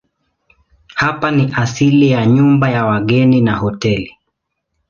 Hapa ni asili ya nyumba ya wageni na hoteli.